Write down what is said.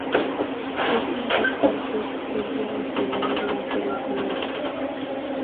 Es un importante centro misional durante La Colonia.